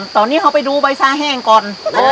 ตอนนี้เขาไปดูใบซาแห้งก่อน